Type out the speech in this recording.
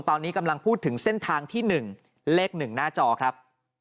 ตอนนี้กำลังพูดถึงเส้นทางที่๑เลข๑หน้าจอครับ